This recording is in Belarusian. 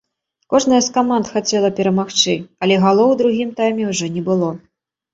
Кожная з каманд хацела перамагчы, але галоў у другім тайме ўжо не было.